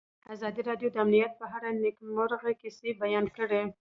ازادي راډیو د امنیت په اړه د نېکمرغۍ کیسې بیان کړې.